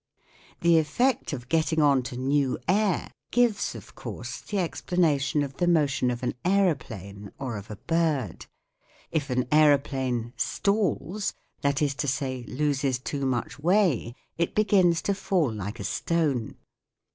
The effect of getting on to new air gives of course the explanation of the motion of an aeroplane or of a bird. If an aeroplane " stalls," that is to say, loses too much way, it begins to fall like a stone.